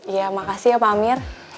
ya makasih ya pak amir